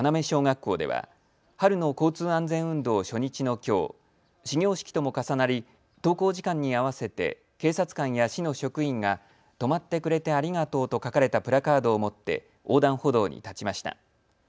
小学校では春の交通安全運動初日のきょう、始業式とも重なり登校時間に合わせて警察官や市の職員が止まってくれてありがとうと書かれたプラカードを持って横断歩道に立ちました。